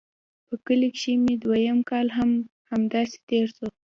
په کلي کښې مې دويم کال هم همداسې تېر سو.